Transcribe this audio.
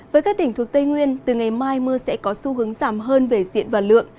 với các tỉnh thuộc tây nguyên từ ngày mai mưa sẽ có xu hướng giảm hơn về diện và lượng